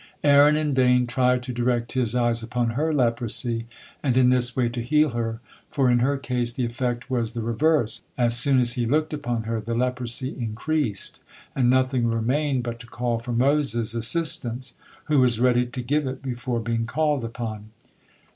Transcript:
Aaron in vain tried to direct his eyes upon her leprosy and in this way to heal her, for in her case the effect was the reverse; as soon as he looked upon her the leprosy increased, and nothing remained but to call for Moses' assistance, who was ready to give it before being called upon.